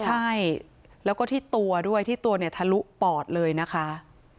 ใช่แล้วก็ที่ตัวด้วยที่ตัวเนี่ยทะลุปอดเลยนะคะ